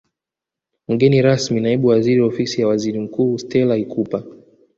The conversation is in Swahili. Mgeni rasmi Naibu Waziri Ofisi ya Waziri Mkuu Stella Ikupa